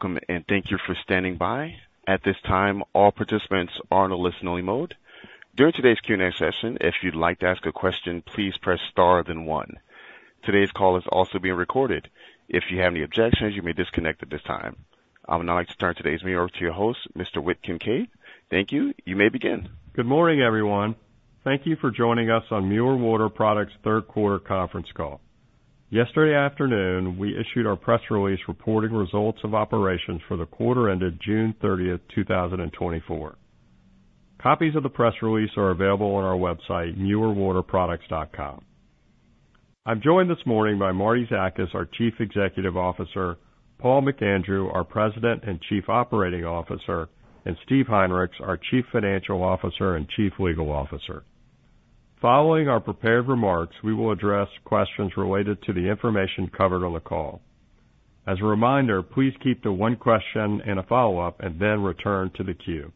Welcome, and thank you for standing by. At this time, all participants are in a listen-only mode. During today's Q and A session, if you'd like to ask a question, please press star, then one. Today's call is also being recorded. If you have any objections, you may disconnect at this time. I would now like to turn today's meeting over to your host, Mr. Whit Kincaid. Thank you. You may begin. Good morning, everyone. Thank you for joining us on Mueller Water Products Third Quarter conference call. Yesterday afternoon, we issued our press release reporting results of operations for the quarter ended June 30, 2024. Copies of the press release are available on our website, muellerwaterproducts.com. I'm joined this morning by Martie Zakas, our Chief Executive Officer, Paul McAndrew, our President and Chief Operating Officer, and Steve Heinrichs, our Chief Financial Officer and Chief Legal Officer. Following our prepared remarks, we will address questions related to the information covered on the call. As a reminder, please keep the one question and a follow-up and then return to the queue.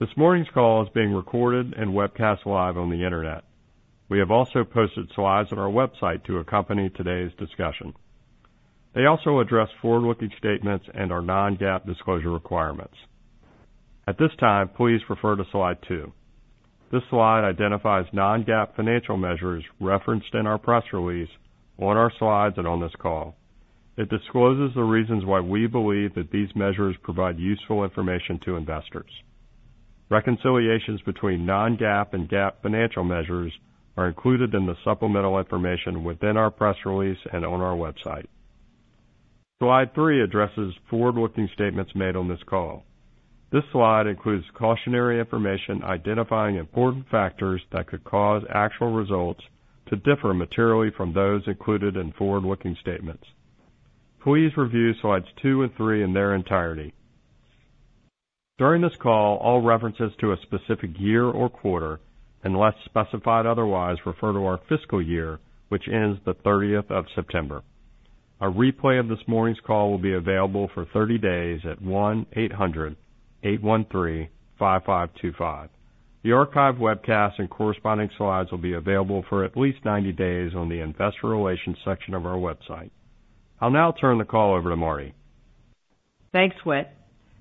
This morning's call is being recorded and webcast live on the internet. We have also posted slides on our website to accompany today's discussion. They also address forward-looking statements and our non-GAAP disclosure requirements. At this time, please refer to slide two. This slide identifies non-GAAP financial measures referenced in our press release, on our slides, and on this call. It discloses the reasons why we believe that these measures provide useful information to investors. Reconciliations between non-GAAP and GAAP financial measures are included in the supplemental information within our press release and on our website. Slide three addresses forward-looking statements made on this call. This slide includes cautionary information identifying important factors that could cause actual results to differ materially from those included in forward-looking statements. Please review slides two and three in their entirety. During this call, all references to a specific year or quarter, unless specified otherwise, refer to our fiscal year, which ends the 30th of September. A replay of this morning's call will be available for 30 days at 1-800-813-5525. The archive, webcast, and corresponding slides will be available for at least 90 days on the investor relations section of our website. I'll now turn the call over to Martie. Thanks, Whit.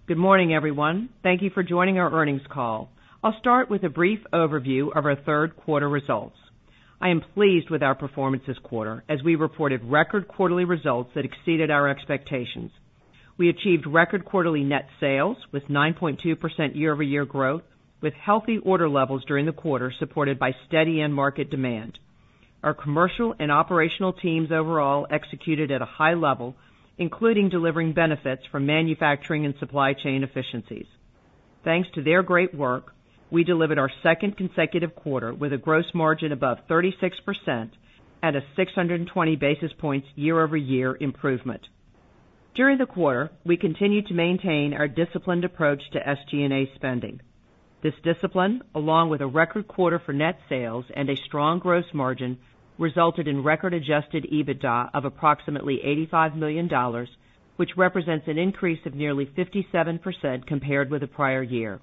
Good morning, everyone. Thank you for joining our earnings call. I'll start with a brief overview of our third quarter results. I am pleased with our performance this quarter as we reported record quarterly results that exceeded our expectations. We achieved record quarterly net sales with 9.2% year-over-year growth, with healthy order levels during the quarter, supported by steady end market demand. Our commercial and operational teams overall executed at a high level, including delivering benefits from manufacturing and supply chain efficiencies. Thanks to their great work, we delivered our second consecutive quarter with a gross margin above 36% and a 620 basis points year-over-year improvement. During the quarter, we continued to maintain our disciplined approach to SG&A spending. This discipline, along with a record quarter for net sales and a strong gross margin, resulted in record adjusted EBITDA of approximately $85 million, which represents an increase of nearly 57% compared with the prior year.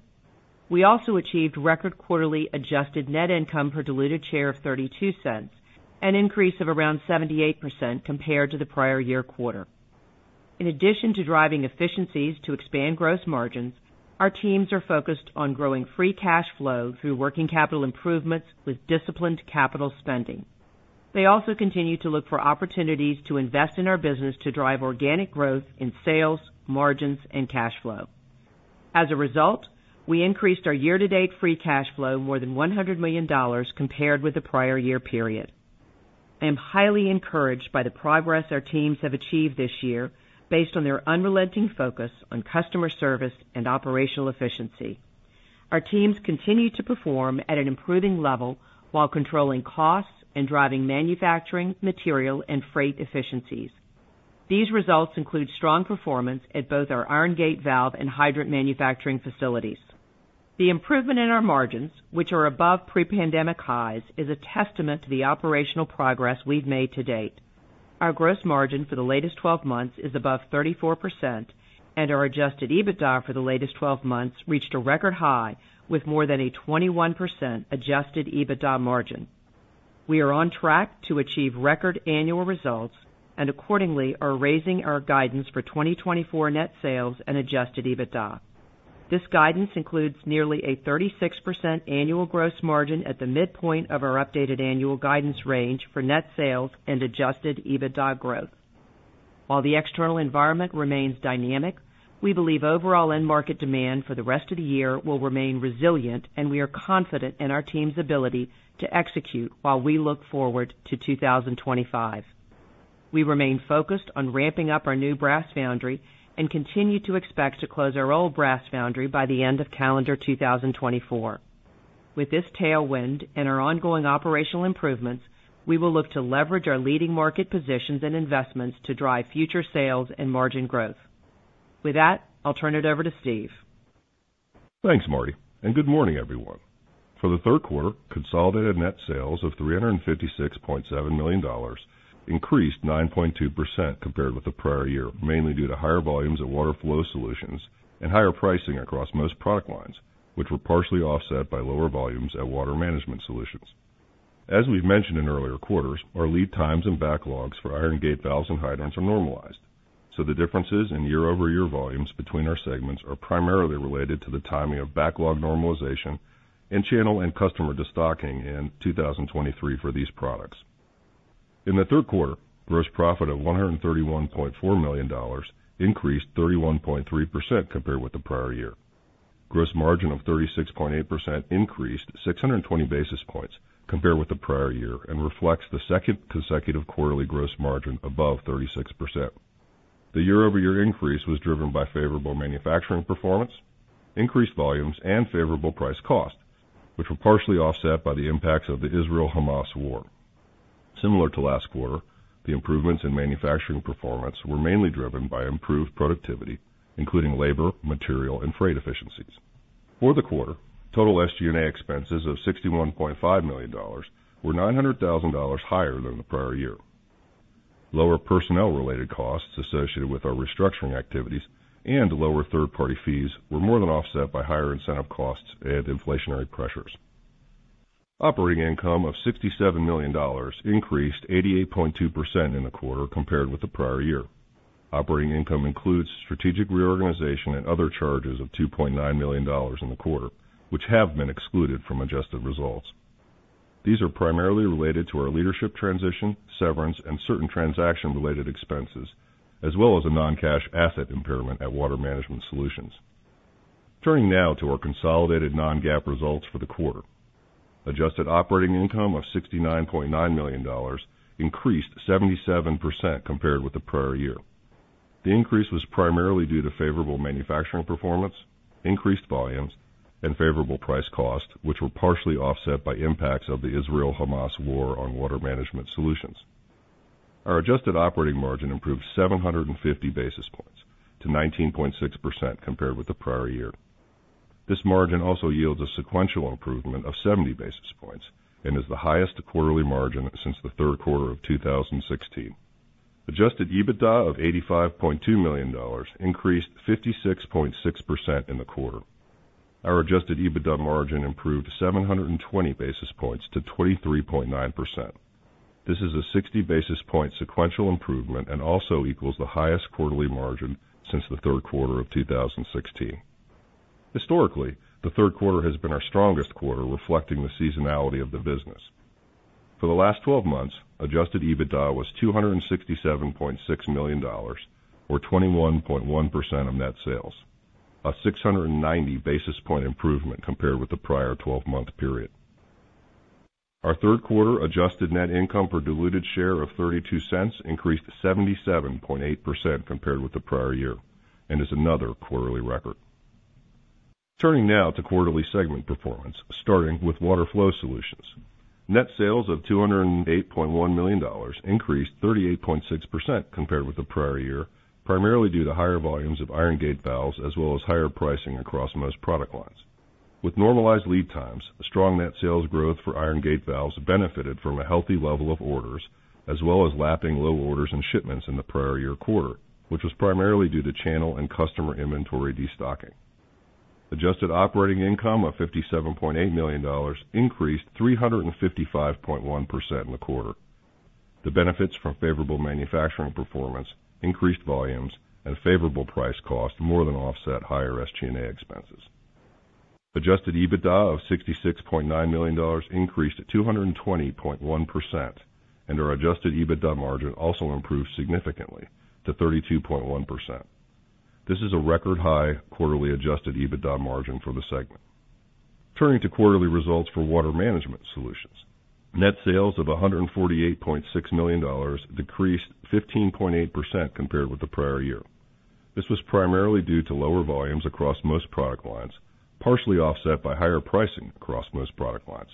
We also achieved record quarterly adjusted net income per diluted share of $0.32, an increase of around 78% compared to the prior year quarter. In addition to driving efficiencies to expand gross margins, our teams are focused on growing free cash flow through working capital improvements with disciplined capital spending. They also continue to look for opportunities to invest in our business to drive organic growth in sales, margins, and cash flow. As a result, we increased our year-to-date free cash flow more than $100 million compared with the prior year period. I am highly encouraged by the progress our teams have achieved this year based on their unrelenting focus on customer service and operational efficiency. Our teams continue to perform at an improving level while controlling costs and driving manufacturing, material, and freight efficiencies. These results include strong performance at both our iron gate valve and hydrant manufacturing facilities. The improvement in our margins, which are above pre-pandemic highs, is a testament to the operational progress we've made to date. Our gross margin for the latest 12 months is above 34%, and our adjusted EBITDA for the latest 12 months reached a record high with more than a 21% adjusted EBITDA margin. We are on track to achieve record annual results and accordingly are raising our guidance for 2024 net sales and adjusted EBITDA. This guidance includes nearly a 36% annual gross margin at the midpoint of our updated annual guidance range for net sales and adjusted EBITDA growth. While the external environment remains dynamic, we believe overall end market demand for the rest of the year will remain resilient, and we are confident in our team's ability to execute while we look forward to 2025. We remain focused on ramping up our new brass foundry and continue to expect to close our old brass foundry by the end of calendar 2024. With this tailwind and our ongoing operational improvements, we will look to leverage our leading market positions and investments to drive future sales and margin growth. With that, I'll turn it over to Steve. Thanks, Martie, and good morning, everyone. For the third quarter, consolidated net sales of $356.7 million increased 9.2% compared with the prior year, mainly due to higher volumes of Water Flow Solutions and higher pricing across most product lines, which were partially offset by lower volumes at Water Management Solutions. As we've mentioned in earlier quarters, our lead times and backlogs for iron gate valves and hydrants are normalized. So the differences in year-over-year volumes between our segments are primarily related to the timing of backlog normalization and channel and customer destocking in 2023 for these products. In the third quarter, gross profit of $131.4 million increased 31.3% compared with the prior year. Gross margin of 36.8% increased 620 basis points compared with the prior year and reflects the second consecutive quarterly gross margin above 36%. The year-over-year increase was driven by favorable manufacturing performance, increased volumes, and favorable price cost, which were partially offset by the impacts of the Israel-Hamas war. Similar to last quarter, the improvements in manufacturing performance were mainly driven by improved productivity, including labor, material, and freight efficiencies. For the quarter, total SG&A expenses of $61.5 million were $900,000 higher than the prior year. Lower personnel-related costs associated with our restructuring activities and lower third-party fees were more than offset by higher incentive costs and inflationary pressures. Operating income of $67 million increased 88.2% in the quarter compared with the prior year. Operating income includes strategic reorganization and other charges of $2.9 million in the quarter, which have been excluded from adjusted results. These are primarily related to our leadership transition, severance, and certain transaction-related expenses, as well as a non-cash asset impairment at Water Management Solutions. Turning now to our consolidated non-GAAP results for the quarter. Adjusted operating income of $69.9 million increased 77% compared with the prior year. The increase was primarily due to favorable manufacturing performance, increased volumes, and favorable price cost, which were partially offset by impacts of the Israel-Hamas war on Water Management Solutions. Our adjusted operating margin improved 750 basis points to 19.6% compared with the prior year. This margin also yields a sequential improvement of 70 basis points and is the highest quarterly margin since the third quarter of 2016. Adjusted EBITDA of $85.2 million increased 56.6% in the quarter. Our adjusted EBITDA margin improved 720 basis points to 23.9%. This is a 60 basis point sequential improvement and also equals the highest quarterly margin since the third quarter of 2016. Historically, the third quarter has been our strongest quarter, reflecting the seasonality of the business. For the last 12 months, adjusted EBITDA was $267.6 million, or 21.1% of net sales, a 690 basis point improvement compared with the prior twelve-month period. Our third quarter adjusted net income per diluted share of $0.32 increased 77.8% compared with the prior year and is another quarterly record. Turning now to quarterly segment performance, starting with Water Flow Solutions. Net sales of $208.1 million increased 38.6% compared with the prior year, primarily due to higher volumes of iron gate valves, as well as higher pricing across most product lines. With normalized lead times, a strong net sales growth for iron gate valves benefited from a healthy level of orders, as well as lapping low orders and shipments in the prior year quarter, which was primarily due to channel and customer inventory destocking. Adjusted operating income of $57.8 million increased 355.1% in the quarter. The benefits from favorable manufacturing performance, increased volumes, and favorable price cost more than offset higher SG&A expenses. Adjusted EBITDA of $66.9 million increased 220.1%, and our adjusted EBITDA margin also improved significantly to 32.1%. This is a record-high quarterly adjusted EBITDA margin for the segment. Turning to quarterly results for Water Management Solutions. Net sales of $148.6 million decreased 15.8% compared with the prior year. This was primarily due to lower volumes across most product lines, partially offset by higher pricing across most product lines.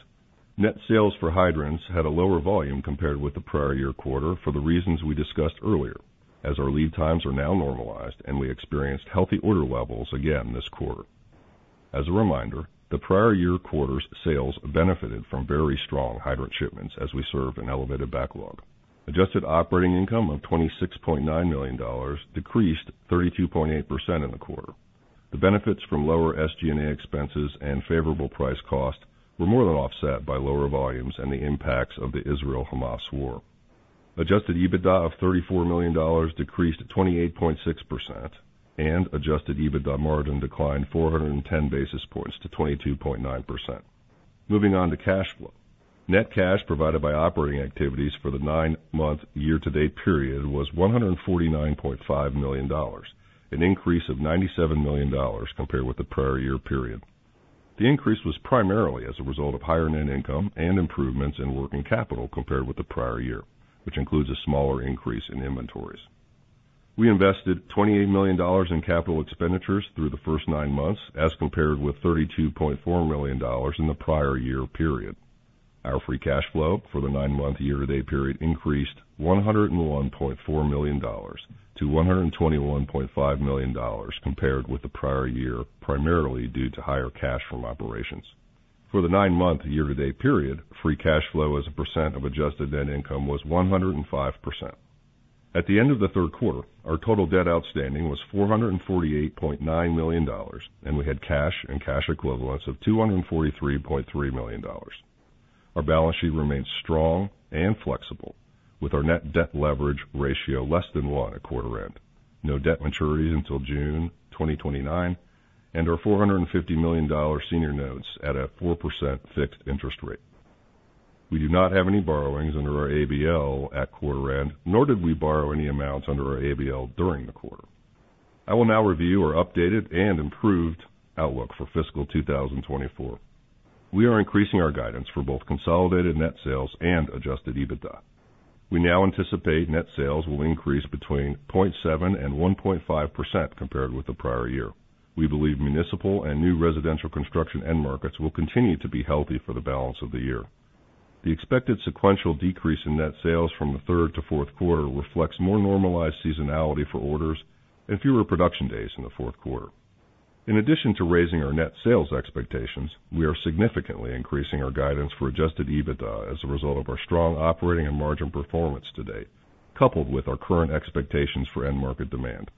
Net sales for hydrants had a lower volume compared with the prior year quarter for the reasons we discussed earlier, as our lead times are now normalized and we experienced healthy order levels again this quarter. As a reminder, the prior year quarter's sales benefited from very strong hydrant shipments as we served an elevated backlog. Adjusted operating income of $26.9 million decreased 32.8% in the quarter. The benefits from lower SG&A expenses and favorable price cost were more than offset by lower volumes and the impacts of the Israel-Hamas war. Adjusted EBITDA of $34 million decreased to 28.6%, and adjusted EBITDA margin declined 410 basis points to 22.9%. Moving on to cash flow. Net cash provided by operating activities for the nine-month year-to-date period was $149.5 million, an increase of $97 million compared with the prior year period. The increase was primarily as a result of higher net income and improvements in working capital compared with the prior year, which includes a smaller increase in inventories. We invested $28 million in capital expenditures through the first nine months, as compared with $32.4 million in the prior year period. Our free cash flow for the nine-month year-to-date period increased $101.4 million to $121.5 million compared with the prior year, primarily due to higher cash from operations. For the nine-month year-to-date period, free cash flow as a percent of adjusted net income was 105%.At the end of the third quarter, our total debt outstanding was $448.9 million, and we had cash and cash equivalents of $243.3 million. Our balance sheet remains strong and flexible, with our net debt leverage ratio less than one at quarter end, no debt maturity until June 2029, and our $450 million senior notes at a 4% fixed interest rate. We do not have any borrowings under our ABL at quarter end, nor did we borrow any amounts under our ABL during the quarter. I will now review our updated and improved outlook for fiscal 2024. We are increasing our guidance for both consolidated net sales and Adjusted EBITDA. We now anticipate net sales will increase between 0.7% and 1.5% compared with the prior year. We believe municipal and new residential construction end markets will continue to be healthy for the balance of the year. The expected sequential decrease in net sales from the third to fourth quarter reflects more normalized seasonality for orders and fewer production days in the fourth quarter. In addition to raising our net sales expectations, we are significantly increasing our guidance for adjusted EBITDA as a result of our strong operating and margin performance to date, coupled with our current expectations for end market demand.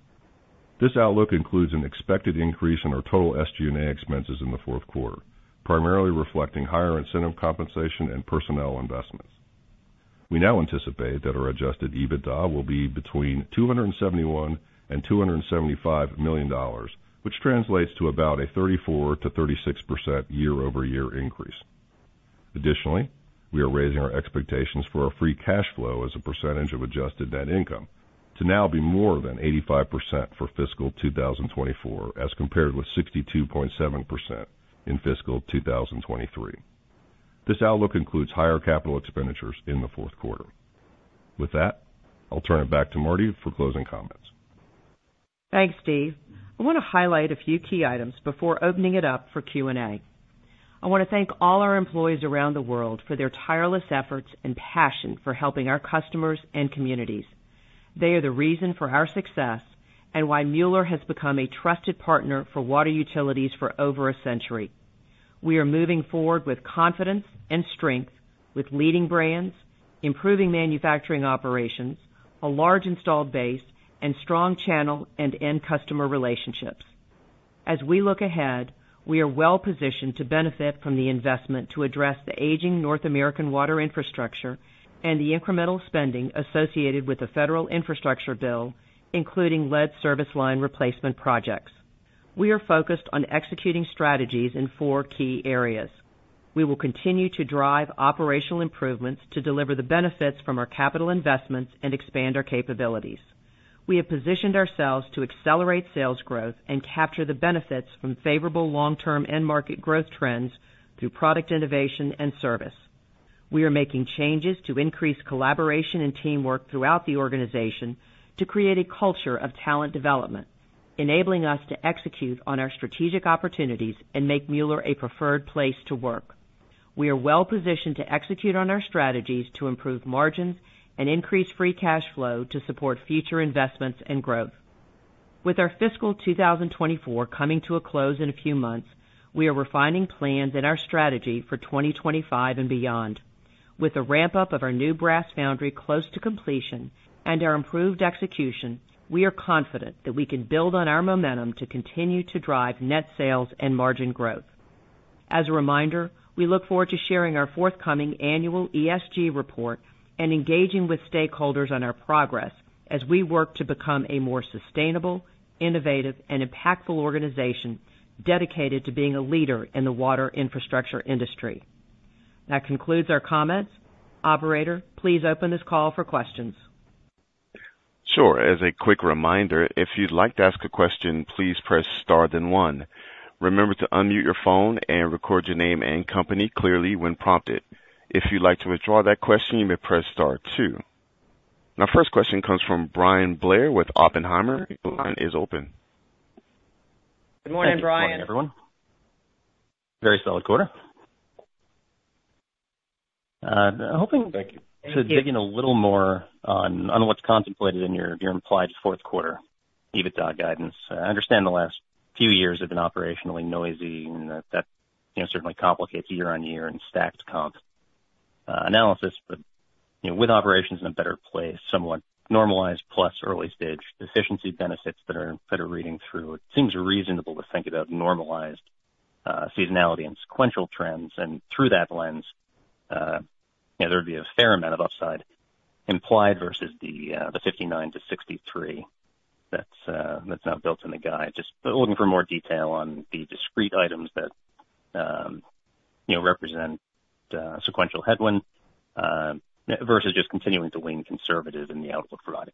This outlook includes an expected increase in our total SG&A expenses in the fourth quarter, primarily reflecting higher incentive compensation and personnel investments. We now anticipate that our adjusted EBITDA will be between $271 million and $275 million, which translates to about a 34%-36% year-over-year increase. Additionally, we are raising our expectations for our free cash flow as a percentage of adjusted net income to now be more than 85% for fiscal 2024, as compared with 62.7% in fiscal 2023. This outlook includes higher capital expenditures in the fourth quarter. With that, I'll turn it back to Martie for closing comments. Thanks, Steve. I want to highlight a few key items before opening it up for Q and A. I want to thank all our employees around the world for their tireless efforts and passion for helping our customers and communities. They are the reason for our success and why Mueller has become a trusted partner for water utilities for over a century. We are moving forward with confidence and strength, with leading brands, improving manufacturing operations, a large installed base, and strong channel and end customer relationships. As we look ahead, we are well-positioned to benefit from the investment to address the aging North American water infrastructure and the incremental spending associated with the Federal Infrastructure Bill, including lead service line replacement projects. We are focused on executing strategies in four key areas. We will continue to drive operational improvements to deliver the benefits from our capital investments and expand our capabilities. We have positioned ourselves to accelerate sales growth and capture the benefits from favorable long-term end market growth trends through product innovation and service. We are making changes to increase collaboration and teamwork throughout the organization to create a culture of talent development, enabling us to execute on our strategic opportunities and make Mueller a preferred place to work. We are well positioned to execute on our strategies to improve margins and increase free cash flow to support future investments and growth. With our fiscal 2024 coming to a close in a few months, we are refining plans in our strategy for 2025 and beyond. With the ramp-up of our new brass foundry close to completion and our improved execution, we are confident that we can build on our momentum to continue to drive net sales and margin growth. As a reminder, we look forward to sharing our forthcoming annual ESG report and engaging with stakeholders on our progress as we work to become a more sustainable, innovative, and impactful organization dedicated to being a leader in the water infrastructure industry. That concludes our comments. Operator, please open this call for questions. Sure. As a quick reminder, if you'd like to ask a question, please press star, then one. Remember to unmute your phone and record your name and company clearly when prompted. If you'd like to withdraw that question, you may press star two. Our first question comes from Bryan Blair with Oppenheimer. Your line is open. Good morning, Bryan. Good morning, everyone. Very solid quarter. Hoping to dig in a little more on what's contemplated in your implied fourth quarter EBITDA guidance. I understand the last few years have been operationally noisy, and that you know certainly complicates year-on-year and stacked comp analysis. But you know with operations in a better place, somewhat normalized plus early stage efficiency benefits that are reading through, it seems reasonable to think about normalized seasonality and sequential trends. And through that lens you know there'd be a fair amount of upside implied versus the $59-$63 that's now built in the guide. Just looking for more detail on the discrete items that you know represent sequential headwinds versus just continuing to lean conservative in the outlook provided.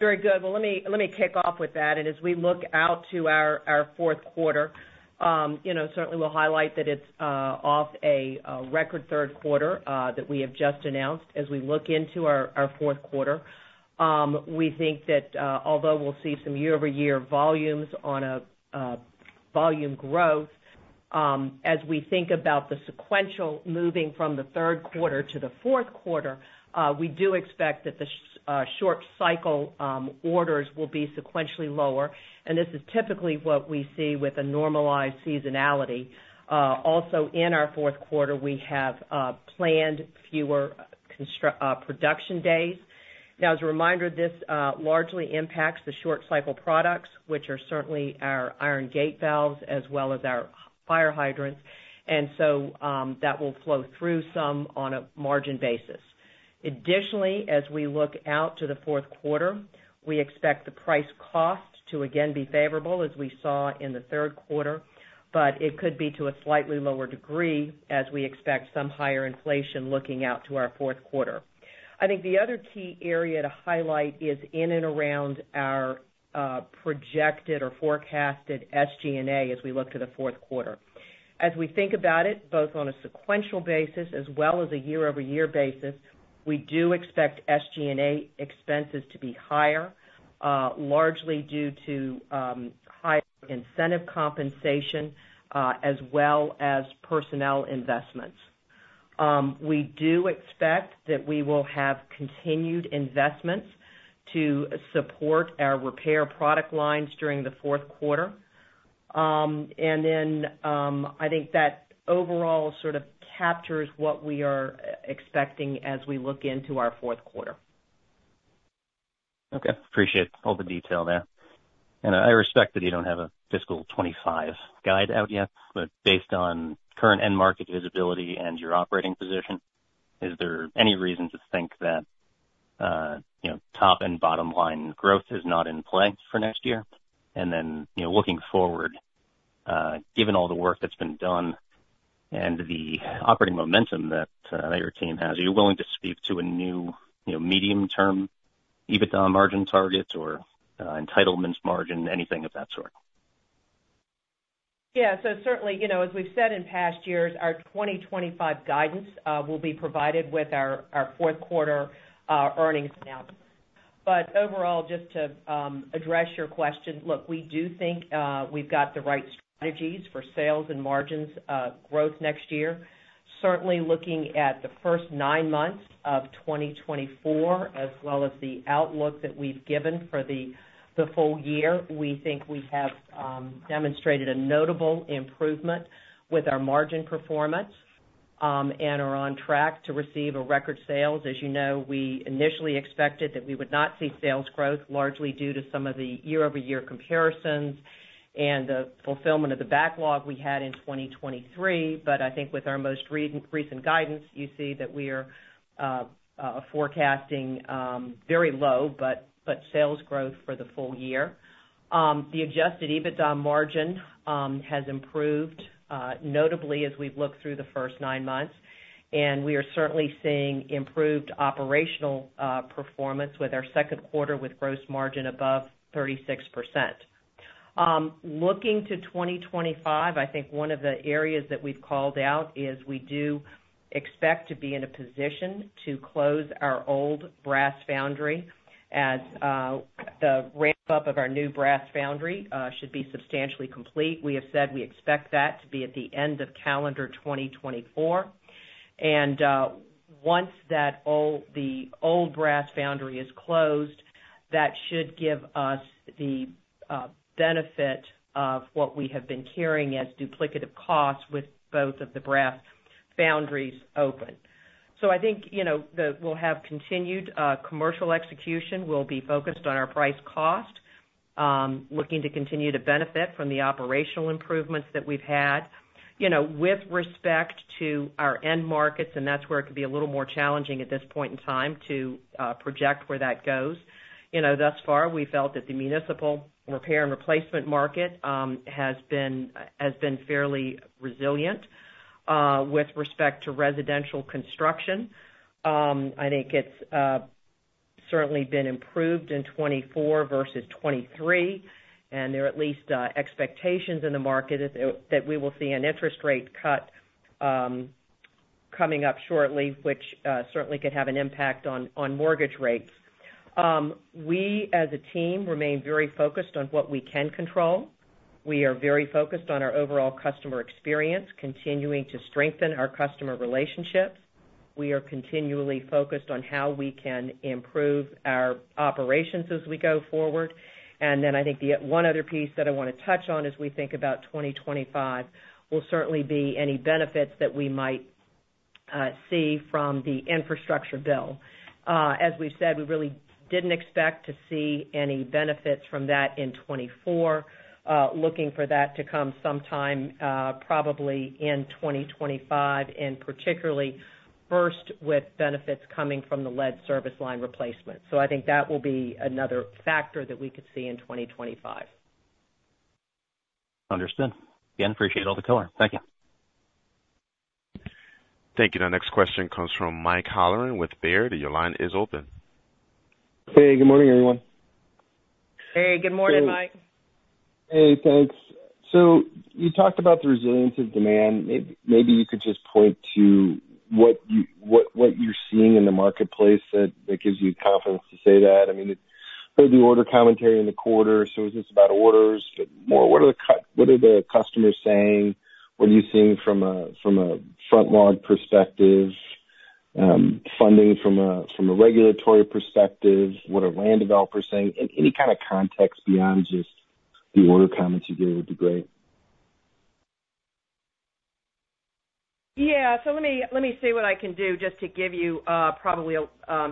Very good. Well, let me, let me kick off with that. And as we look out to our, our fourth quarter, you know, certainly we'll highlight that it's off a, a record third quarter that we have just announced. As we look into our, our fourth quarter, we think that, although we'll see some year-over-year volumes on a, a volume growth, as we think about the sequential moving from the third quarter to the fourth quarter, we do expect that the short cycle orders will be sequentially lower, and this is typically what we see with a normalized seasonality. Also in our fourth quarter, we have planned fewer production days. Now, as a reminder, this largely impacts the short cycle products, which are certainly our iron gate valves as well as our fire hydrants, and so that will flow through some on a margin basis. Additionally, as we look out to the fourth quarter, we expect the price cost to again be favorable, as we saw in the third quarter, but it could be to a slightly lower degree as we expect some higher inflation looking out to our fourth quarter. I think the other key area to highlight is in and around our projected or forecasted SG&A as we look to the fourth quarter. As we think about it, both on a sequential basis as well as a year-over-year basis, we do expect SG&A expenses to be higher, largely due to higher incentive compensation as well as personnel investments. We do expect that we will have continued investments to support our repair product lines during the fourth quarter. And then, I think that overall sort of captures what we are expecting as we look into our fourth quarter. Okay, appreciate all the detail there. And I respect that you don't have a fiscal 2025 guide out yet, but based on current end market visibility and your operating position, is there any reason to think that, you know, top and bottom line growth is not in play for next year? And then, you know, looking forward, given all the work that's been done and the operating momentum that your team has, are you willing to speak to a new, you know, medium-term EBITDA margin targets or, entitlements margin, anything of that sort? Yeah. So certainly, you know, as we've said in past years, our 2025 guidance will be provided with our, our fourth quarter earnings announcement. But overall, just to address your question, look, we do think we've got the right strategies for sales and margins growth next year. Certainly, looking at the first nine months of 2024, as well as the outlook that we've given for the full year, we think we have demonstrated a notable improvement with our margin performance and are on track to receive a record sales. As you know, we initially expected that we would not see sales growth, largely due to some of the year-over-year comparisons and the fulfillment of the backlog we had in 2023. But I think with our most recent guidance, you see that we are forecasting very low but sales growth for the full year. The adjusted EBITDA margin has improved notably as we've looked through the first nine months, and we are certainly seeing improved operational performance with our second quarter, with gross margin above 36%. Looking to 2025, I think one of the areas that we've called out is we do expect to be in a position to close our old brass foundry as the ramp-up of our new brass foundry should be substantially complete. We have said we expect that to be at the end of calendar 2024, and once that old brass foundry is closed, that should give us the benefit of what we have been carrying as duplicative costs with both of the brass foundries open. So I think, you know, we'll have continued commercial execution. We'll be focused on our price cost, looking to continue to benefit from the operational improvements that we've had. You know, with respect to our end markets, and that's where it can be a little more challenging at this point in time to project where that goes, you know, thus far, we felt that the municipal repair and replacement market has been fairly resilient. With respect to residential construction, I think it's certainly been improved in 2024 versus 2023, and there are at least expectations in the market that we will see an interest rate cut coming up shortly, which certainly could have an impact on mortgage rates. We, as a team, remain very focused on what we can control. We are very focused on our overall customer experience, continuing to strengthen our customer relationships. We are continually focused on how we can improve our operations as we go forward. And then I think the one other piece that I wanna touch on as we think about 2025 will certainly be any benefits that we might see from the Infrastructure Bill. As we've said, we really didn't expect to see any benefits from that in 2024. Looking for that to come sometime, probably in 2025, and particularly first with benefits coming from the lead service line replacement. So I think that will be another factor that we could see in 2025. Understood. Again, appreciate all the color. Thank you. Thank you. The next question comes from Mike Halloran with Baird. Your line is open. Hey, good morning, everyone. Hey, good morning, Mike. Hey, thanks. So you talked about the resilience of demand. Maybe you could just point to what you're seeing in the marketplace that gives you confidence to say that. I mean, it's-... heard the order commentary in the quarter. So is this about orders more? What are the customers saying? What are you seeing from a front log perspective, funding from a regulatory perspective? What are land developers saying? And any kind of context beyond just the order comments you gave would be great. Yeah. So let me, let me see what I can do just to give you, probably,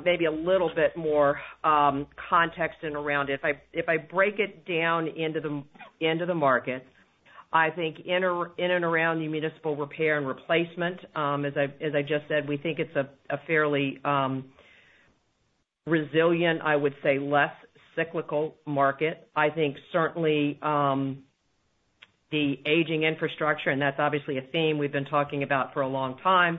maybe a little bit more, context in and around it. If I, if I break it down into the, into the markets, I think in and around the municipal repair and replacement, as I, as I just said, we think it's a, a fairly, resilient, I would say, less cyclical market. I think certainly, the aging infrastructure, and that's obviously a theme we've been talking about for a long time.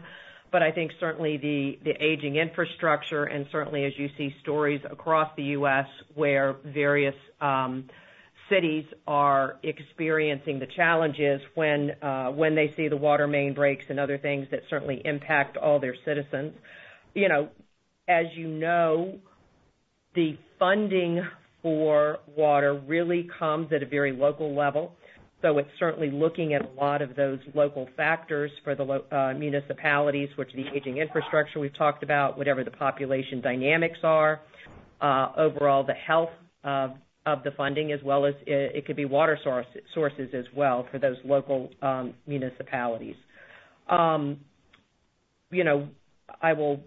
But I think certainly the, the aging infrastructure, and certainly as you see stories across the U.S., where various, cities are experiencing the challenges when, when they see the water main breaks and other things that certainly impact all their citizens. You know, as you know, the funding for water really comes at a very local level. So it's certainly looking at a lot of those local factors for the local municipalities, which the aging infrastructure we've talked about, whatever the population dynamics are, overall, the health of the funding, as well as it could be water sources as well for those local municipalities. You know, I will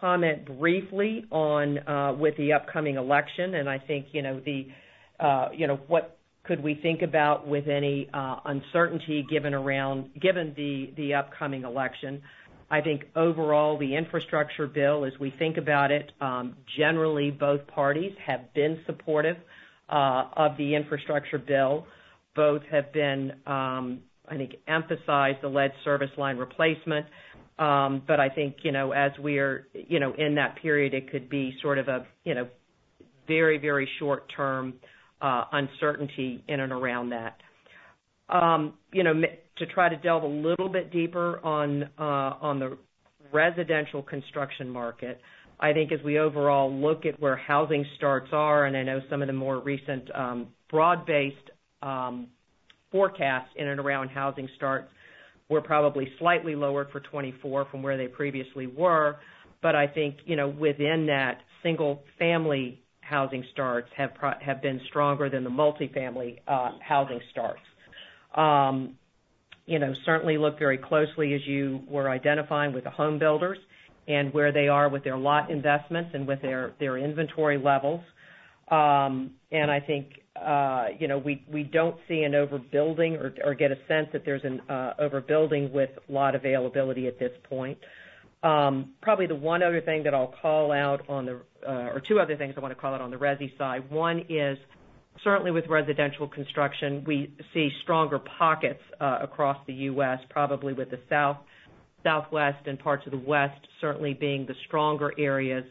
comment briefly on with the upcoming election, and I think, you know, you know, what could we think about with any uncertainty given the upcoming election? I think overall, the Infrastructure Bill, as we think about it, generally, both parties have been supportive of the Infrastructure Bill. Both have been, I think, emphasized the lead service line replacement. But I think, you know, as we are, you know, in that period, it could be sort of a, you know, very, very short term, uncertainty in and around that. You know, to try to delve a little bit deeper on, on the residential construction market, I think as we overall look at where housing starts are, and I know some of the more recent, broad-based, forecasts in and around housing starts, were probably slightly lower for 2024 from where they previously were. But I think, you know, within that, single family housing starts have been stronger than the multifamily, housing starts. You know, certainly look very closely as you were identifying with the home builders and where they are with their lot investments and with their, their inventory levels. And I think, you know, we don't see an overbuilding or get a sense that there's an overbuilding with lot availability at this point. Probably the one other thing that I'll call out on the or two other things I want to call out on the resi side. One is, certainly with residential construction, we see stronger pockets across the U.S., probably with the South, Southwest and parts of the West, certainly being the stronger areas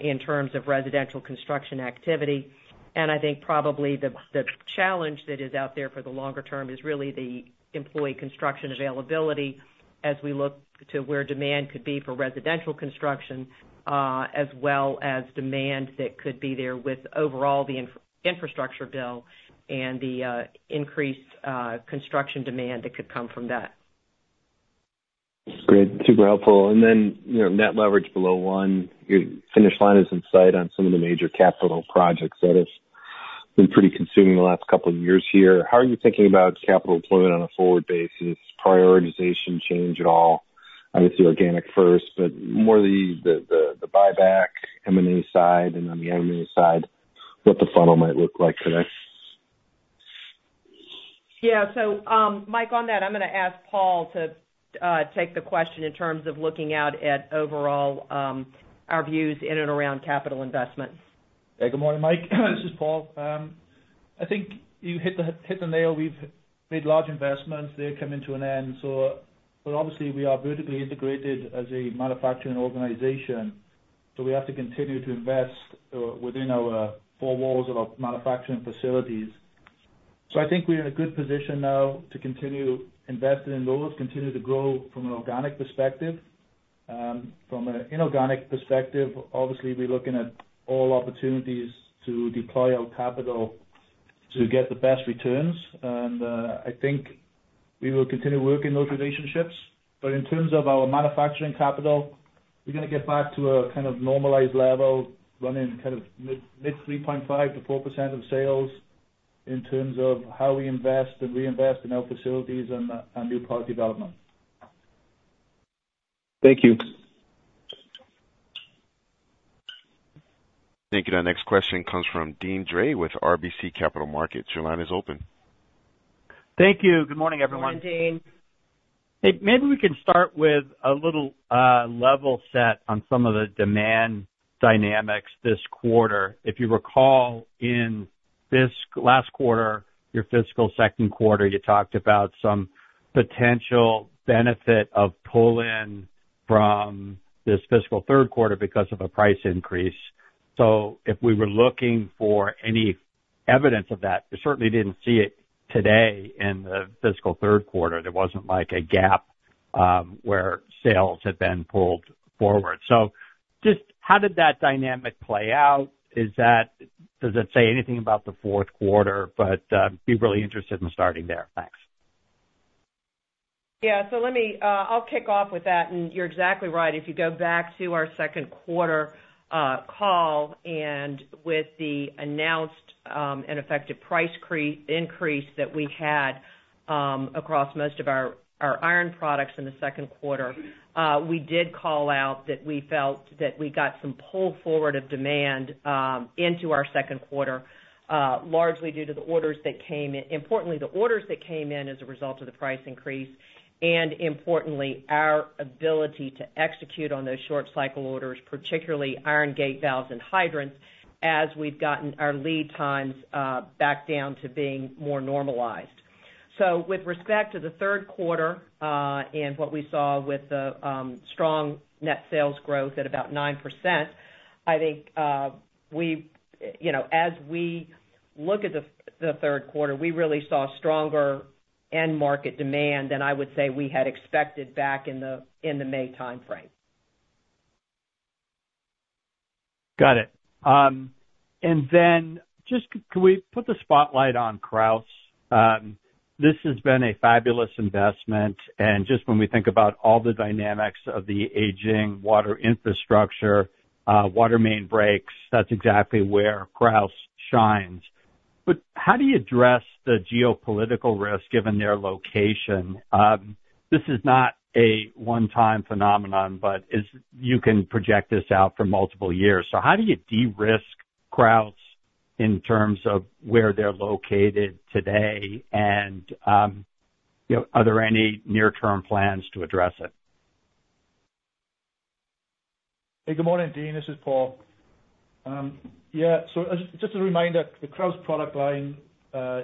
in terms of residential construction activity. And I think probably the challenge that is out there for the longer term is really the employee construction availability as we look to where demand could be for residential construction, as well as demand that could be there with overall the Infrastructure Bill and the increased construction demand that could come from that. Great. Super helpful. And then, you know, net leverage below one, your finish line is in sight on some of the major capital projects that have been pretty consuming the last couple of years here. How are you thinking about capital deployment on a forward basis? Prioritization change at all? Obviously, organic first, but more the buyback, M&A side, and on the M&A side, what the funnel might look like for next? Yeah. So, Mike, on that, I'm gonna ask Paul to take the question in terms of looking out at overall, our views in and around capital investments. Hey, good morning, Mike. This is Paul. I think you hit the nail. We've made large investments. They're coming to an end. But obviously we are vertically integrated as a manufacturing organization, so we have to continue to invest within our four walls of our manufacturing facilities. So I think we're in a good position now to continue investing in those, continue to grow from an organic perspective. From an inorganic perspective, obviously, we're looking at all opportunities to deploy our capital to get the best returns. And I think we will continue working those relationships. But in terms of our manufacturing capital, we're gonna get back to a kind of normalized level, running kind of mid-3.5%-4% of sales in terms of how we invest and reinvest in our facilities and new product development. Thank you. Thank you. Our next question comes from Deane Dray with RBC Capital Markets. Your line is open. Thank you. Good morning, everyone. Good morning, Deane. Maybe we can start with a little level set on some of the demand dynamics this quarter. If you recall, in this last quarter, your fiscal second quarter, you talked about some potential benefit of pull-in from this fiscal third quarter because of a price increase. So if we were looking for any evidence of that, we certainly didn't see it today in the fiscal third quarter. There wasn't like a gap where sales have been pulled forward. So just how did that dynamic play out? Is that - does it say anything about the fourth quarter? But be really interested in starting there. Thanks. Yeah, so let me, I'll kick off with that, and you're exactly right. If you go back to our second quarter call, and with the announced and effective price increase that we had across most of our iron products in the second quarter, we did call out that we felt that we got some pull forward of demand into our second quarter, largely due to the orders that came in. Importantly, the orders that came in as a result of the price increase, and importantly, our ability to execute on those short cycle orders, particularly iron gate valves and hydrants, as we've gotten our lead times back down to being more normalized. So with respect to the third quarter and what we saw with the strong net sales growth at about 9%, I think we, you know, as we look at the third quarter, we really saw stronger end market demand than I would say we had expected back in the May timeframe. Got it. And then just can we put the spotlight on Krausz? This has been a fabulous investment, and just when we think about all the dynamics of the aging water infrastructure, water main breaks, that's exactly where Krausz shines. But how do you address the geopolitical risk given their location? This is not a one-time phenomenon, but you can project this out for multiple years. So how do you de-risk Krausz in terms of where they're located today? And, you know, are there any near-term plans to address it? Hey, good morning, Deane. This is Paul. Yeah, so just, just a reminder, the Krausz product line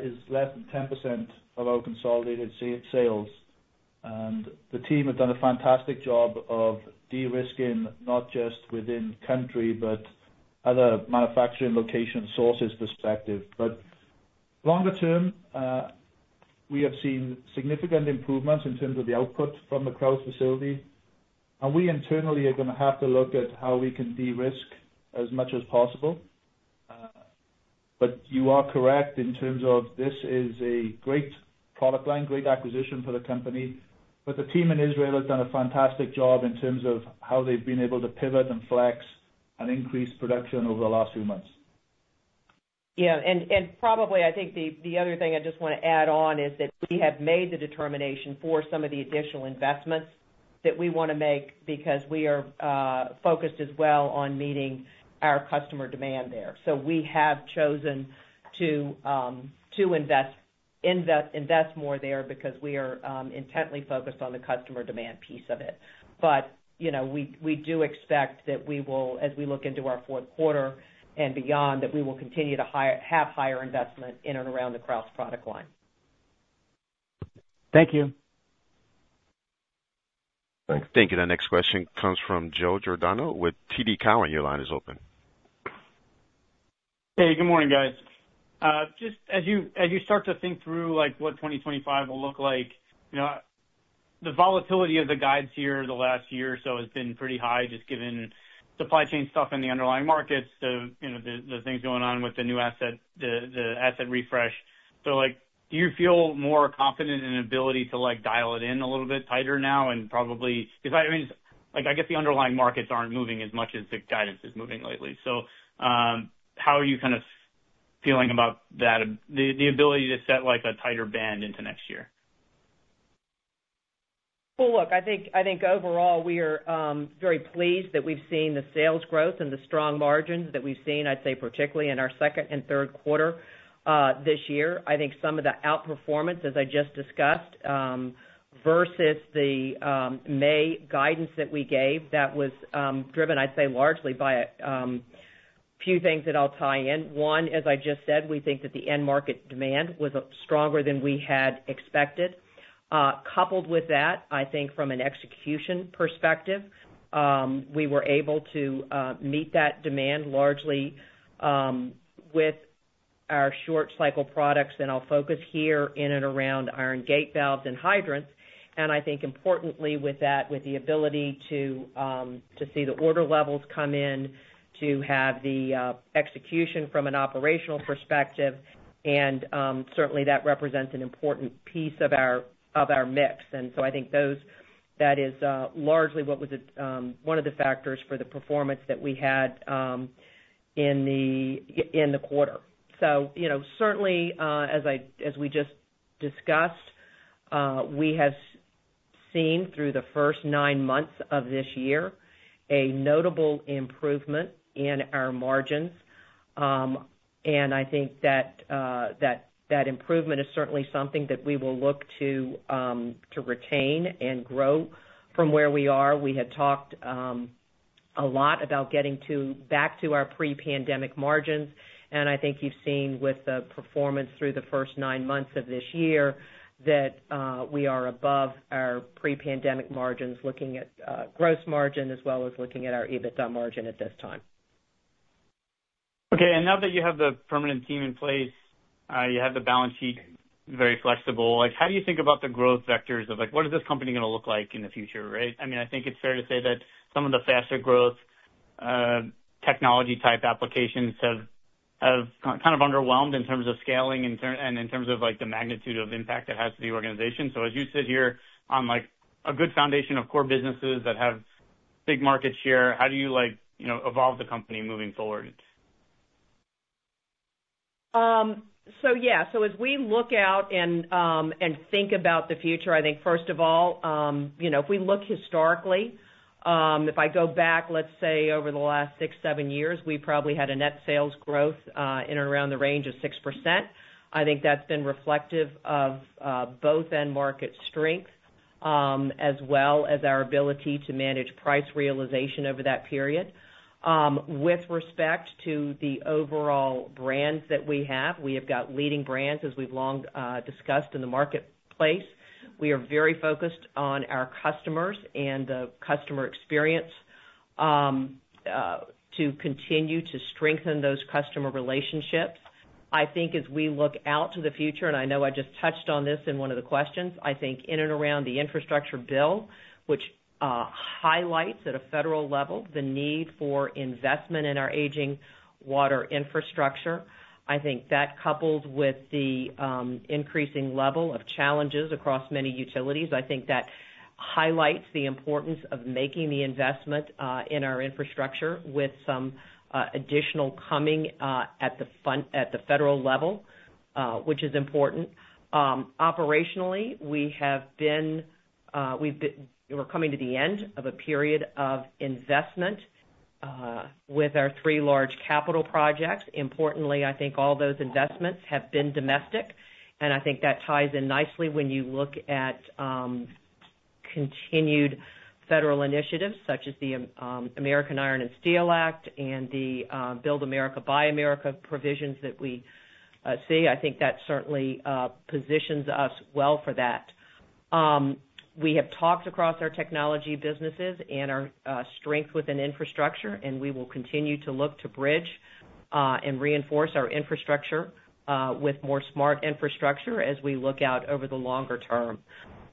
is less than 10% of our consolidated sales, and the team have done a fantastic job of de-risking, not just within country, but other manufacturing location sources perspective. But longer term, we have seen significant improvements in terms of the output from the Krausz facility, and we internally are gonna have to look at how we can de-risk as much as possible. But you are correct in terms of this is a great product line, great acquisition for the company, but the team in Israel has done a fantastic job in terms of how they've been able to pivot and flex and increase production over the last few months. Yeah, and probably I think the other thing I just wanna add on is that we have made the determination for some of the additional investments that we wanna make because we are focused as well on meeting our customer demand there. So we have chosen to invest, invest, invest more there because we are intently focused on the customer demand piece of it. But, you know, we do expect that we will, as we look into our fourth quarter and beyond, that we will continue to have higher investment in and around the Krausz product line. Thank you. Thanks. Thank you. The next question comes from Joe Giordano with TD Cowen. Your line is open. Hey, good morning, guys. Just as you start to think through, like, what 2025 will look like, you know, the volatility of the guides here the last year or so has been pretty high, just given supply chain stuff in the underlying markets, you know, the things going on with the new asset, the asset refresh. So, like, do you feel more confident in ability to, like, dial it in a little bit tighter now and probably—because, I mean, like, I guess the underlying markets aren't moving as much as the guidance is moving lately. So, how are you kind of feeling about that, the ability to set, like, a tighter band into next year? Well, look, I think, I think overall, we are, very pleased that we've seen the sales growth and the strong margins that we've seen, I'd say, particularly in our second and third quarter, this year. I think some of the outperformance, as I just discussed, versus the, May guidance that we gave, that was, driven, I'd say, largely by a, few things that I'll tie in. One, as I just said, we think that the end market demand was, stronger than we had expected. Coupled with that, I think from an execution perspective, we were able to, meet that demand largely, with our short cycle products, and I'll focus here in and around iron gate valves and hydrants. And I think importantly with that, with the ability to see the order levels come in, to have the execution from an operational perspective, and certainly that represents an important piece of our mix. And so I think that is largely what was one of the factors for the performance that we had in the quarter. So, you know, certainly, as we just discussed, we have seen through the first nine months of this year a notable improvement in our margins. And I think that improvement is certainly something that we will look to retain and grow from where we are. We had talked a lot about getting back to our pre-pandemic margins, and I think you've seen with the performance through the first nine months of this year that we are above our pre-pandemic margins, looking at gross margin, as well as looking at our EBITDA margin at this time. Okay, and now that you have the permanent team in place, you have the balance sheet very flexible, like, how do you think about the growth vectors of, like, what is this company gonna look like in the future, right? I mean, I think it's fair to say that some of the faster growth, technology type applications have kind of underwhelmed in terms of scaling, and in terms of, like, the magnitude of impact it has to the organization. So as you sit here on, like, a good foundation of core businesses that have big market share, how do you, like, you know, evolve the company moving forward? So yeah. So as we look out and think about the future, I think first of all, you know, if we look historically, if I go back, let's say, over the last six seven years, we probably had a net sales growth in and around the range of 6%. I think that's been reflective of both end market strength as well as our ability to manage price realization over that period. With respect to the overall brands that we have, we have got leading brands, as we've long discussed in the marketplace. We are very focused on our customers and the customer experience to continue to strengthen those customer relationships. I think as we look out to the future, and I know I just touched on this in one of the questions, I think in and around the Infrastructure Bill, which highlights at a federal level the need for investment in our aging water infrastructure, I think that coupled with the increasing level of challenges across many utilities, I think that highlights the importance of making the investment in our infrastructure with some additional coming at the federal level, which is important. Operationally, we have been we're coming to the end of a period of investment with our three large capital projects. Importantly, I think all those investments have been domestic, and I think that ties in nicely when you look at continued federal initiatives such as the American Iron and Steel Act and the Build America, Buy America provisions that we see. I think that certainly positions us well for that. We have talked across our technology businesses and our strength within infrastructure, and we will continue to look to bridge and reinforce our infrastructure with more smart infrastructure as we look out over the longer term.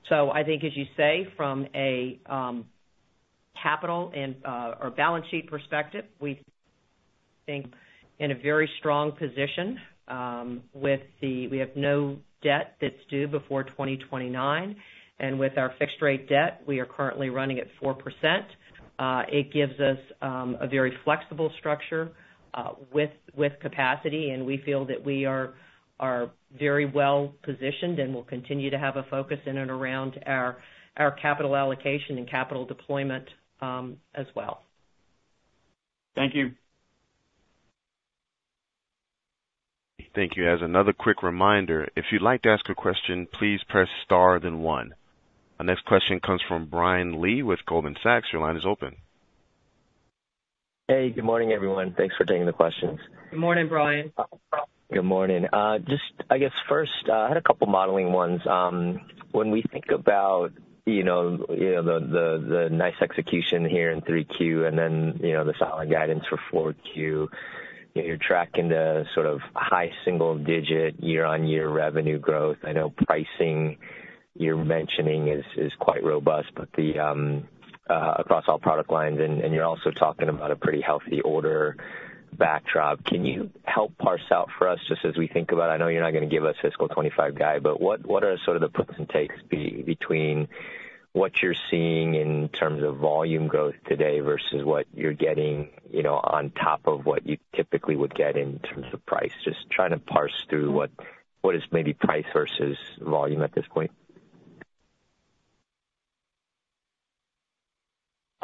So I think, as you say, from a capital and or balance sheet perspective, we think in a very strong position with the. We have no debt that's due before 2029, and with our fixed rate debt, we are currently running at 4%. It gives us a very flexible structure with capacity, and we feel that we are very well positioned and will continue to have a focus in and around our capital allocation and capital deployment, as well. Thank you. Thank you. As another quick reminder, if you'd like to ask a question, please press star, then one. Our next question comes from Brian Lee with Goldman Sachs. Your line is open. Hey, good morning, everyone. Thanks for taking the questions. Good morning, Brian. Good morning. Just, I guess first, I had a couple modeling ones. When we think about, you know, the nice execution here in 3Q and then, you know, the solid guidance for 4Q, you know, you're tracking the sort of high single-digit year-over-year revenue growth. I know pricing you're mentioning is quite robust, but across all product lines, and you're also talking about a pretty healthy order backlog. Can you help parse out for us, just as we think about it, I know you're not gonna give us fiscal 2025 guide, but what are sort of the puts and takes between what you're seeing in terms of volume growth today versus what you're getting, you know, on top of what you typically would get in terms of price? Just trying to parse through what, what is maybe price versus volume at this point.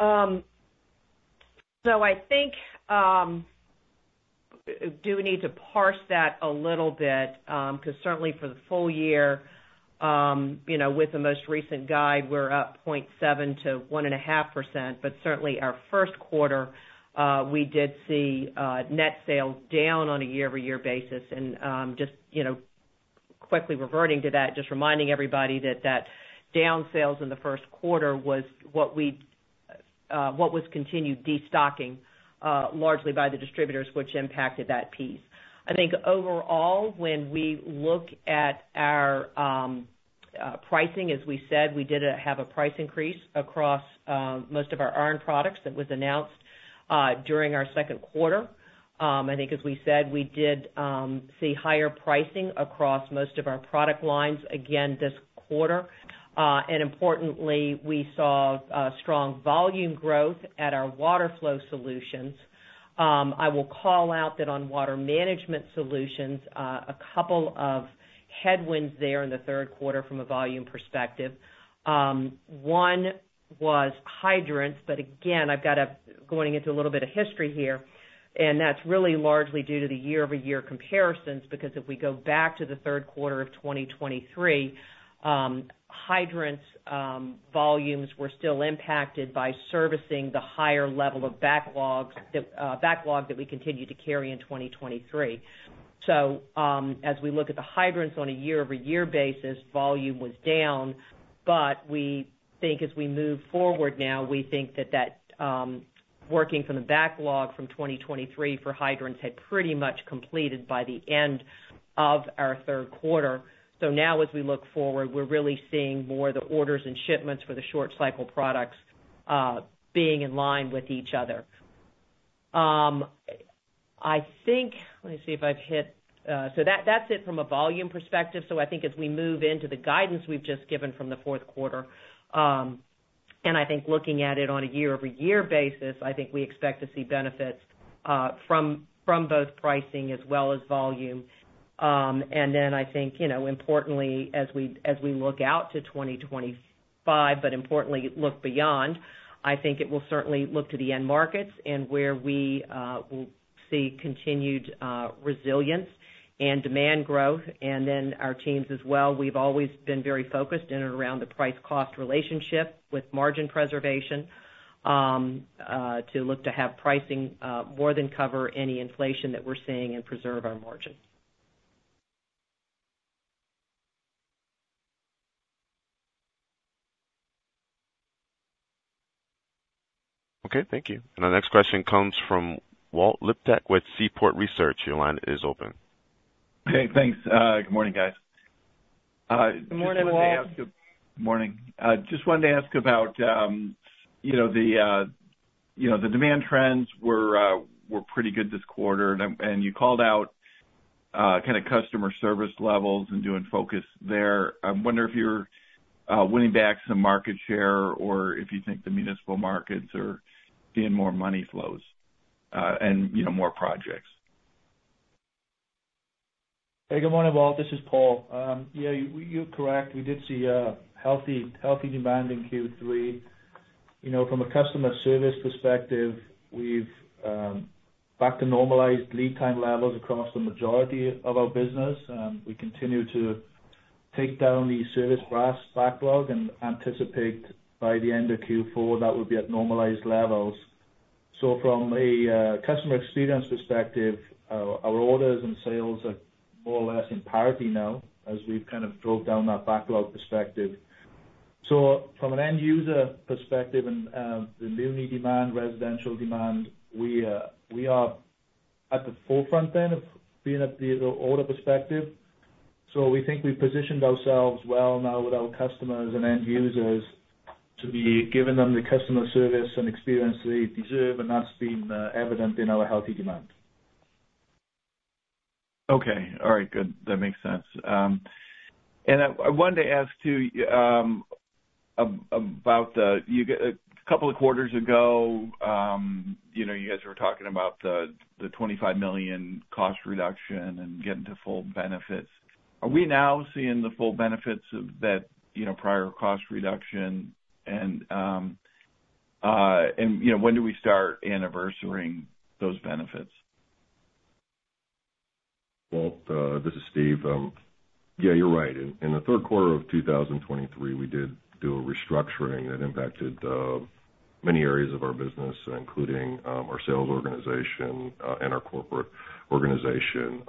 So I think, do need to parse that a little bit, 'cause certainly for the full year, you know, with the most recent guide, we're up 0.7%-1.5%, but certainly our first quarter, we did see, net sales down on a year-over-year basis. And, just, you know, quickly reverting to that, just reminding everybody that that down sales in the first quarter was what we, what was continued destocking, largely by the distributors, which impacted that piece. I think overall, when we look at our, pricing, as we said, we did, have a price increase across, most of our iron products. That was announced, during our second quarter. I think as we said, we did, see higher pricing across most of our product lines again this quarter. And importantly, we saw strong volume growth at our Water Flow Solutions. I will call out that on Water Management Solutions, a couple of headwinds there in the third quarter from a volume perspective. One was hydrants, but again, going into a little bit of history here, and that's really largely due to the year-over-year comparisons, because if we go back to the third quarter of 2023, hydrants volumes were still impacted by servicing the higher level of backlogs that, backlog that we continued to carry in 2023. So, as we look at the hydrants on a year-over-year basis, volume was down, but we think as we move forward now, we think that that, working from the backlog from 2023 for hydrants had pretty much completed by the end of our third quarter. So now as we look forward, we're really seeing more the orders and shipments for the short cycle products, being in line with each other. I think—let me see if I've hit, so that, that's it from a volume perspective. So I think as we move into the guidance we've just given from the fourth quarter, and I think looking at it on a year-over-year basis, I think we expect to see benefits, from, from both pricing as well as volume. And then I think, you know, importantly, as we, as we look out to 2025, but importantly, look beyond, I think it will certainly look to the end markets and where we, will see continued, resilience and demand growth, and then our teams as well. We've always been very focused in and around the price-cost relationship with margin preservation, to look to have pricing, more than cover any inflation that we're seeing and preserve our margin. Okay, thank you. Our next question comes from Walt Liptak with Seaport Research Partners. Your line is open. Hey, thanks. Good morning, guys. Good morning, Walt. Morning. I just wanted to ask about, you know, the demand trends were pretty good this quarter, and you called out kind of customer service levels and doing focus there. I'm wondering if you're winning back some market share or if you think the municipal markets are seeing more money flows, and, you know, more projects. Hey, good morning, Walt. This is Paul. Yeah, you, you're correct. We did see a healthy, healthy demand in Q3. You know, from a customer service perspective, we've back to normalized lead time levels across the majority of our business. We continue to take down the service brass backlog and anticipate by the end of Q4, that will be at normalized levels. So from a customer experience perspective, our, our orders and sales are more or less in parity now as we've kind of drove down that backlog perspective. So from an end user perspective and the new need demand, residential demand, we, we are at the forefront then of being at the order perspective. We think we've positioned ourselves well now with our customers and end users to be giving them the customer service and experience they deserve, and that's been evident in our healthy demand. Okay, all right, good. That makes sense. And I wanted to ask, too, about a couple of quarters ago, you know, you guys were talking about the $25 million cost reduction and getting to full benefits. Are we now seeing the full benefits of that, you know, prior cost reduction? And, you know, when do we start anniversarying those benefits? Walt, this is Steve. Yeah, you're right. In the third quarter of 2023, we did do a restructuring that impacted many areas of our business, including our sales organization and our corporate organization.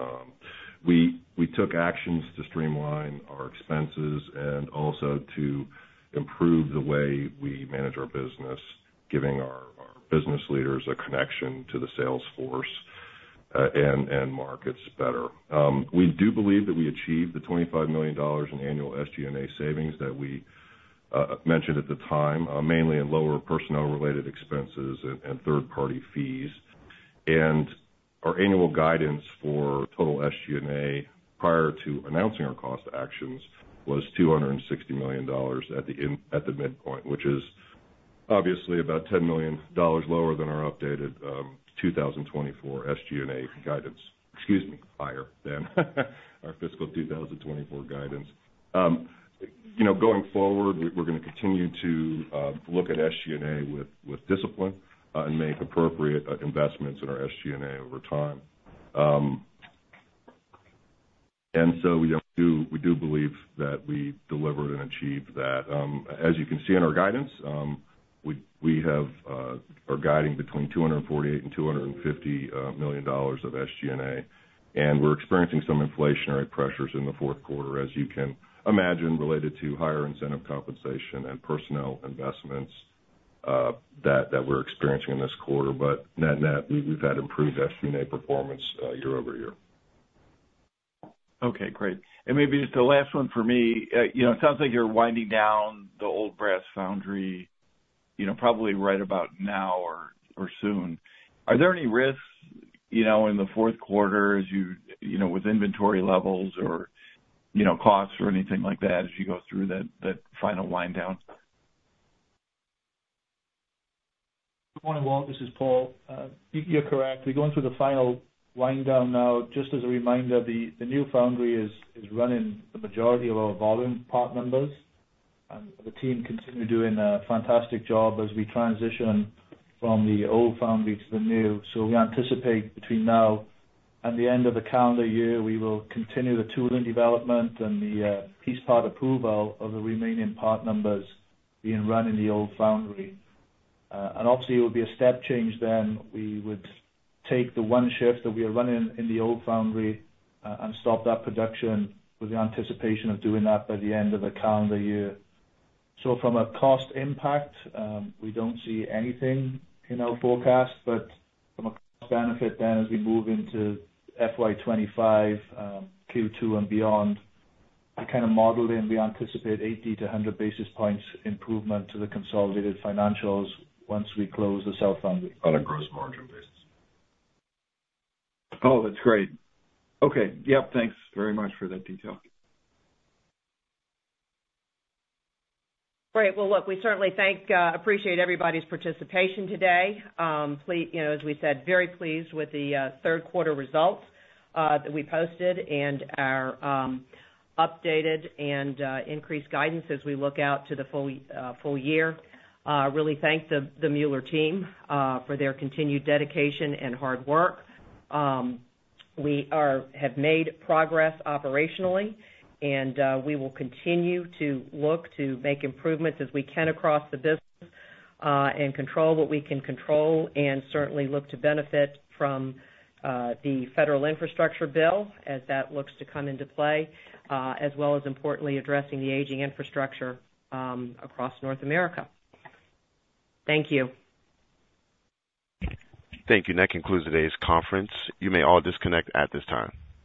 We took actions to streamline our expenses and also to improve the way we manage our business, giving our business leaders a connection to the sales force and markets better. We do believe that we achieved the $25 million in annual SG&A savings that we mentioned at the time, mainly in lower personnel-related expenses and third-party fees. Our annual guidance for total SG&A, prior to announcing our cost actions, was $260 million at the midpoint, which is obviously about $10 million lower than our updated 2024 SG&A guidance. Excuse me, higher than our fiscal 2024 guidance. You know, going forward, we're, we're gonna continue to look at SG&A with discipline and make appropriate investments in our SG&A over time. And so we do, we do believe that we delivered and achieved that. As you can see in our guidance, we are guiding between $248 million and $250 million of SG&A, and we're experiencing some inflationary pressures in the fourth quarter, as you can imagine, related to higher incentive compensation and personnel investments that we're experiencing in this quarter. But net-net, we've had improved SG&A performance year-over-year. Okay, great. And maybe just the last one for me. You know, it sounds like you're winding down the old brass foundry, you know, probably right about now or, or soon. Are there any risks, you know, in the fourth quarter as you, you know, with inventory levels or, you know, costs or anything like that as you go through that, that final wind down? Good morning, Walt. This is Paul. You're correct. We're going through the final wind down now. Just as a reminder, the new foundry is running the majority of our volume part numbers, and the team continue doing a fantastic job as we transition from the old foundry to the new. So we anticipate between now and the end of the calendar year, we will continue the tooling development and the piece part approval of the remaining part numbers being run in the old foundry. And obviously, it will be a step change then. We would take the one shift that we are running in the old foundry and stop that production with the anticipation of doing that by the end of the calendar year. So from a cost impact, we don't see anything in our forecast, but from a cost benefit, then as we move into FY 2025, Q2 and beyond, I kind of modeled and we anticipate 80-100 basis points improvement to the consolidated financials once we close the sale foundry on a gross margin basis. Oh, that's great. Okay, yep, thanks very much for that detail. Great. Well, look, we certainly thank, appreciate everybody's participation today. You know, as we said, very pleased with the third quarter results that we posted and our updated and increased guidance as we look out to the full year. Really thank the Mueller team for their continued dedication and hard work. We have made progress operationally, and we will continue to look to make improvements as we can across the business, and control what we can control, and certainly look to benefit from the federal Infrastructure Bill as that looks to come into play, as well as importantly, addressing the aging infrastructure across North America. Thank you. Thank you. And that concludes today's conference. You may all disconnect at this time.